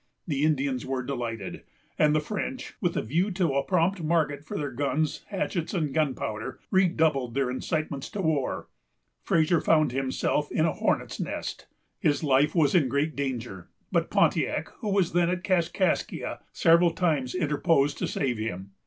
The Indians were delighted; and the French, with a view to a prompt market for their guns, hatchets, and gunpowder, redoubled their incitements to war. Fraser found himself in a hornet's nest. His life was in great danger; but Pontiac, who was then at Kaskaskia, several times interposed to save him.